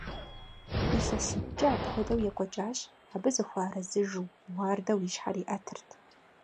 ИлъэситӀкӀэ апхуэдэу екӀуэкӀащ, абы зыхуэарэзыжу уардэу и щхьэр иӀэтырт.